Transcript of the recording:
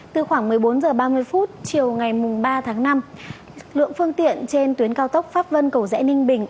từ khoảng một mươi bốn h ba mươi chiều ngày ba tháng năm lượng phương tiện trên tuyến cao tốc pháp vân cầu rẽ ninh bình